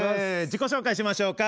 自己紹介しましょうか。